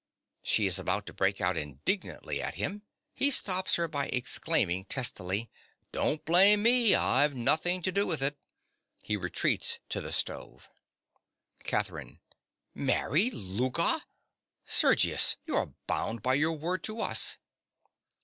(She is about to break out indignantly at him: he stops her by exclaiming testily.) Don't blame me: I've nothing to do with it. (He retreats to the stove.) CATHERINE. Marry Louka! Sergius: you are bound by your word to us!